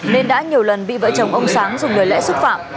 nên đã nhiều lần bị vợ chồng ông sáng dùng lời lẽ xúc phạm